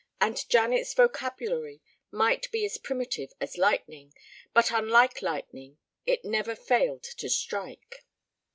And Janet's vocabulary might be as primitive as lightning, but unlike lightning it never failed to strike.